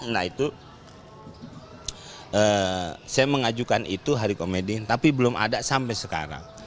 nah itu saya mengajukan itu hari komedi tapi belum ada sampai sekarang